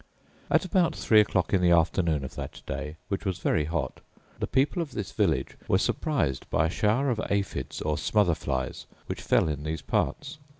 At about three o'clock in the afternoon of that day, which was very hot, the people of this village were surprised by a shower of aphides, or smother flies, which fell in these parts.